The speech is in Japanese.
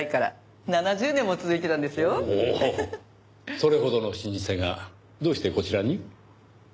それほどの老舗がどうしてこちらに？